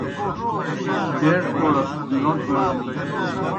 بیٹوکوڑ نوْٹ مڑنی